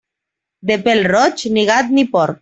De pèl roig, ni gat, ni porc.